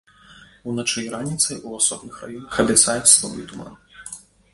Уначы і раніцай у асобных раёнах абяцаюць слабы туман.